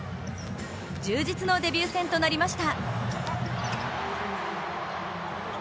充実のデビュー戦となりました。